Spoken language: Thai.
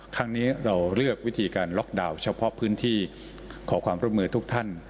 ครั้งนี้เราเลือกวิธีการล็อกดาวน์เฉพาะพื้นที่ขอความร่วมมือทุกท่าน